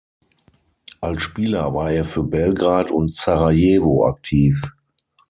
Als Spieler war er für Belgrad und Sarajevo aktiv.